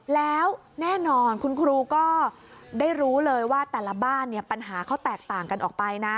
แล้วแน่นอนคุณครูก็ได้รู้เลยว่าแต่ละบ้านเนี่ยปัญหาเขาแตกต่างกันออกไปนะ